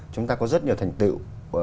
chúng ta có rất nhiều thành tựu